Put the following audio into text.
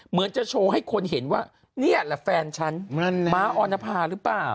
เหมือนจะโชว์ให้คนเห็นว่านี่แหละแฟนฉันม้าออนภาหรือเปล่า